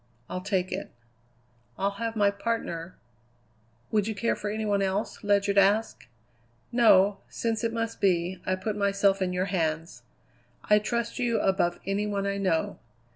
"I'll take it." "I'll have my partner Would you care for any one else?" Ledyard asked. "No. Since it must be, I put myself in your hands. I trust you above any one I know.